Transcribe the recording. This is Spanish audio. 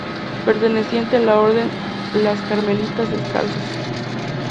Perteneciente a la orden las Carmelitas Descalzas.